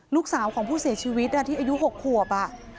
ลูกสาวของผู้เสียชีวิตที่อายุ๖ขวบ